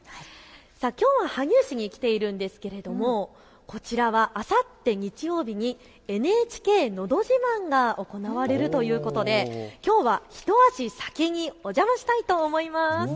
きょうは羽生市に来ているんですけれどもこちらはあさって日曜日にＮＨＫのど自慢が行われるということできょうは一足先にお邪魔したいと思います。